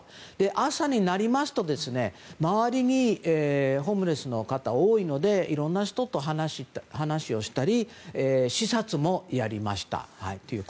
朝になりますと、周りにホームレスの方が多いのでいろんな人と話をしたり視察もやりました。